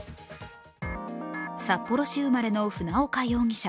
札幌市生まれの船岡容疑者。